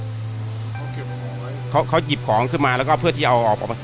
เขาเก็บของเขาเขาหยิบของขึ้นมาแล้วก็เพื่อที่เอาออกมา